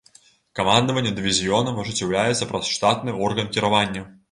Камандаванне дывізіёнам ажыццяўляецца праз штатны орган кіравання.